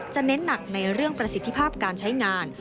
เน้นหนักในเรื่องประสิทธิภาพการใช้งาน